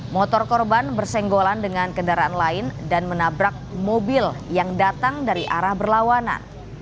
motor korban bersenggolan dengan kendaraan lain dan menabrak mobil yang datang dari arah berlawanan